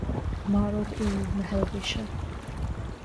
maróg úll na hEilvéise